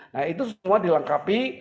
nah itu semua dilengkapi